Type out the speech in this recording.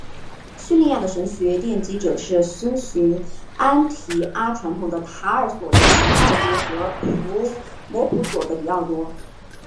叙利亚的神学奠基者是遵循安提阿传统的塔尔索的狄奥多和摩普绥的狄奥多。